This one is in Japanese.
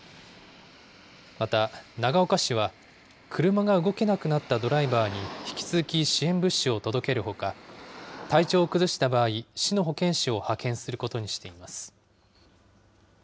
また、長岡市は、車が動けなくなったドライバーに、引き続き支援物資を届けるほか、体調を崩した場合、市の保健師を派遣することにしています。